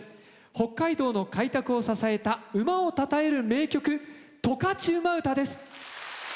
北海道の開拓を支えた馬をたたえる名曲「十勝馬唄」です。